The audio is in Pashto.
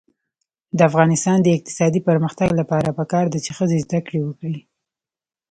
د افغانستان د اقتصادي پرمختګ لپاره پکار ده چې ښځې زده کړې وکړي.